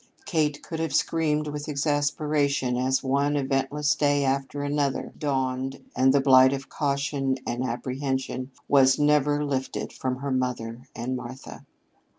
Kate could have screamed with exasperation as one eventless day after another dawned and the blight of caution and apprehension was never lifted from her mother and Martha.